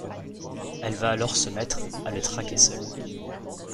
Elle va alors se mettre à le traquer seule.